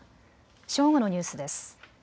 正午のニュースです。